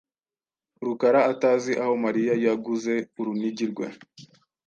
Rukara atazi aho Mariya yaguze urunigi rwe.